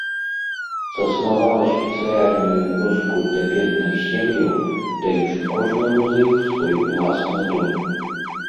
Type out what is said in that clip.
Заснавала спецыяльную вёску для бедных сем'яў, даючы кожнаму з іх свой уласны дом.